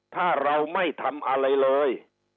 ถ้าเราไม่ทำอะไรเลย